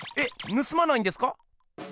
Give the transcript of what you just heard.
ぬすまないんですか？